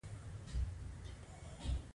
متقابل احترام ته هم باید وده ورکړل شي.